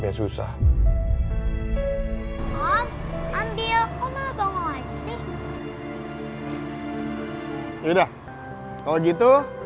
the semua to om nanti keluarge aku